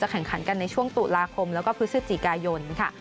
จะแข่งขันในช่วงตุลาคมและพฤศจิกายน